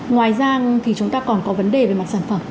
ngoài ra thì chúng ta còn có vấn đề về mặt sản phẩm